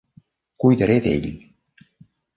Cuidaré d"ell.